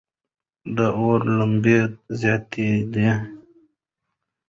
د اور لمبې زیاتېدلې.